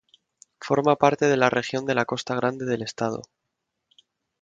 Forma parte de la región de la Costa Grande del estado.